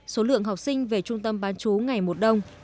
số lượng học sinh về trung tâm bán chú ngày một đông